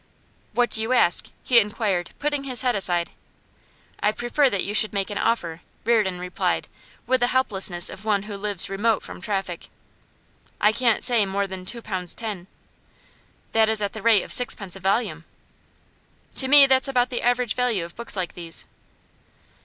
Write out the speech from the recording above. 'What do you ask?' he inquired, putting his head aside. 'I prefer that you should make an offer,' Reardon replied, with the helplessness of one who lives remote from traffic. 'I can't say more than two pounds ten.' 'That is at the rate of sixpence a volume ?' 'To me that's about the average value of books like these.